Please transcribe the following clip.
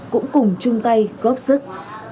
cũng cùng chung tay góp sức